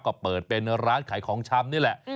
ก็เปิดเป็นร้านขายของชำนี่แหละ